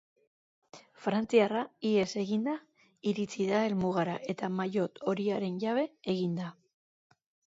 Frantziarra ihes eginda iritsi da helmugara eta maillot horiaren jabe egin da.